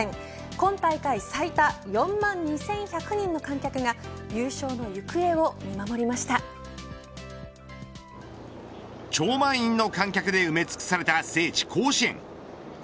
今大会最多４万２１００人の観客が超満員の観客で埋め尽くされた聖地、甲子園。